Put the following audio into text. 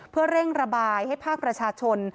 เพื่อเร่งระบายให้ภาคประชาชน